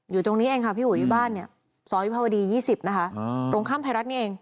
อยู่ตรงนี้เองค่ะพี่อุ๋ยบ้านเนี่ยซอยวิภาวดี๒๐นะคะตรงข้ามไทยรัฐนี่เอง